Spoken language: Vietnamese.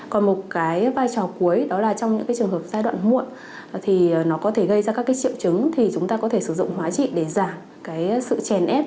còn một vai trò cuối đó là trong những trường hợp giai đoạn muộn thì nó có thể gây ra các triệu chứng thì chúng ta có thể sử dụng hóa trị để giảm sự chèn ép